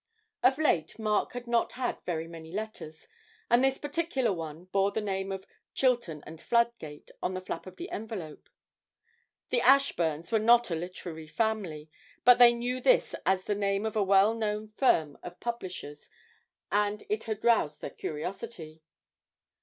Of late Mark had not had very many letters, and this particular one bore the name of 'Chilton & Fladgate' on the flap of the envelope. The Ashburns were not a literary family, but they knew this as the name of a well known firm of publishers, and it had roused their curiosity.